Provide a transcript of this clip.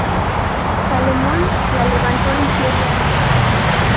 Salomón la levantó en siete años"".